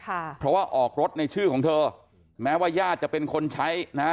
ค่ะเพราะว่าออกรถในชื่อของเธอแม้ว่าญาติจะเป็นคนใช้นะฮะ